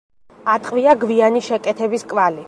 ატყვია გვიანი შეკეთების კვალი.